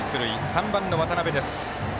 ３番の渡邊です。